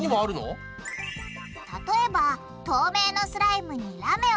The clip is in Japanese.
例えば透明のスライムにうん！